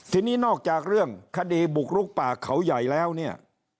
ทีนี้นอกจากเรื่องคดีบุกลุกป่าเขาใหญ่แล้วเนี่ย